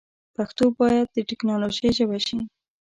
پښتو باید د ټیکنالوجۍ ژبه شي.